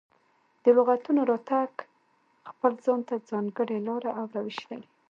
د لغتونو راتګ خپل ځان ته ځانګړې لاره او روش لري.